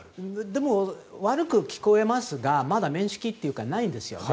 でも、悪く聞こえますがまだ面識はないんですよね。